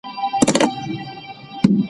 تر ابده له دې ښاره سو بېزاره